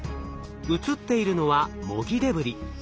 映っているのは模擬デブリ。